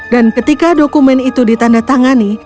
dan ketika dokumen itu ditandatangani